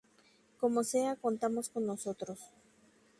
Como sea contamos con nosotros.